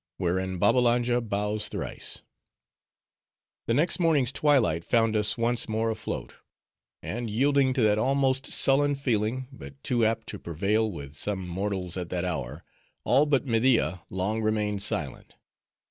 Wherein Babbalanja Bows Thrice The next morning's twilight found us once more afloat; and yielding to that almost sullen feeling, but too apt to prevail with some mortals at that hour, all but Media long remained silent.